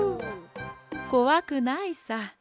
こわくないさ。